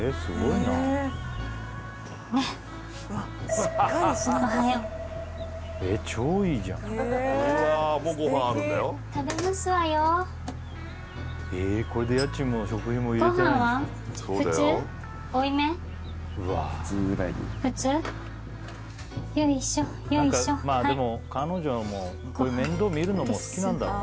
なんかまあでも彼女もこういう面倒見るのも好きなんだろうな。